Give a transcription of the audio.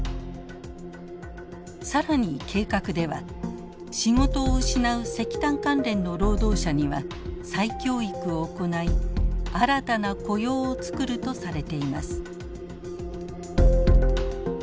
更に計画では仕事を失う石炭関連の労働者には再教育を行い新たな雇用をつくるとされています。